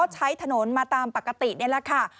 ใช้ถนนมาตามปกตินี่แหละค่ะ